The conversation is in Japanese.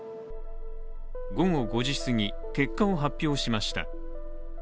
午後５時すぎ、結果を発表しました。